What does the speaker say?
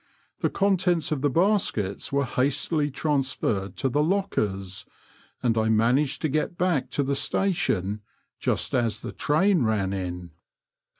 The contents of the baskets were hastily transferred to the lockers, and I managed to get back to the Station just as the train ran in.